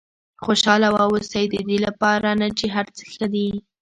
خوشاله واوسئ ددې لپاره نه چې هر څه ښه دي.